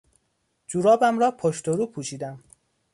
جورابم را پشت و رو پوشیدم.